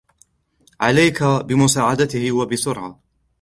عليك بمساعدته ، و بسرعة.